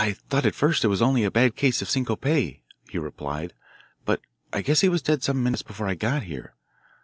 "Thought at first it was only a bad case of syncope," he replied, "but I guess he was dead some minutes before I got here.